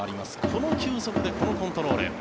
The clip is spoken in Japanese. この球速でこのコントロール。